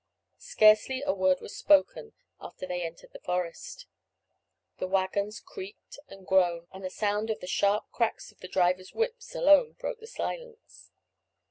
Scarcely a word was spoken after they entered the forest. The waggons creaked and groaned, and the sound of the sharp cracks of the drivers' whips alone broke the silence.